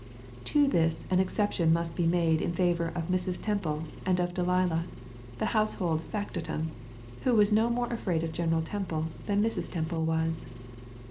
To this an exception must be made in favor of Mrs. Temple and of Delilah, the household factotum, who was no more afraid of General Temple than Mrs. Temple was.